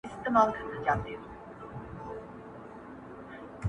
• وخته راسه مرور ستوري پخلا کړو,